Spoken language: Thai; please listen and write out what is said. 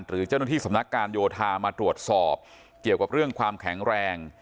หรือเจ้าหน้าที่สำนักการโยธามาตรวจสอบเกี่ยวกับเรื่องความแข็งแรง